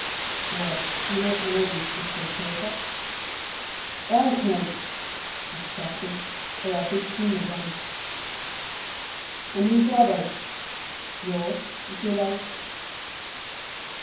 "What? Do you not know these bits of paper?" "Bank notes!" "Exactly; there are fifteen of them." "And whose are they?" "Yours, if you like."